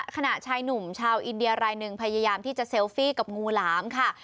ขณะชายหนุ่มชาวอินเดียรายหนึ่งพยายามที่จะเซลฟี่กับงูหลามค่ะ